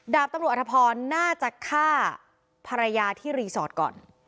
ดาบตำรวจอธพรน่าจะฆ่าภรรยาที่รีสอร์ทก่อน